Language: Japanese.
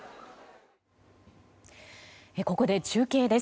ここで中継です。